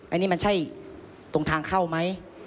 อันนี้มันใช่ตรงทางเข้าไหม